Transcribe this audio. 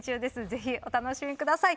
ぜひ、お楽しみください。